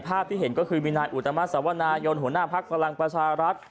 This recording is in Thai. ที่เห็นก็คือมีนายอุตมาสวนายนหัวหน้าภักดิ์พลังประชารัฐ